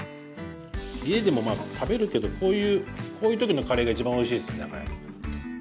家でもまあ食べるけどこういう時のカレーが一番おいしいです。